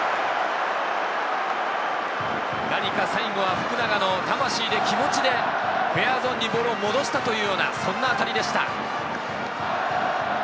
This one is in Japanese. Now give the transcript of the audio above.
何か最後は福永の魂で、気持ちでフェアゾーンにボールを戻したというような、そんな当たりでした。